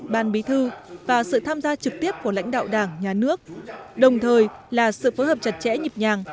ban bí thư và sự tham gia trực tiếp của lãnh đạo đảng nhà nước đồng thời là sự phối hợp chặt chẽ nhịp nhàng